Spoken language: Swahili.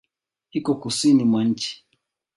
Iko Kusini mwa nchi.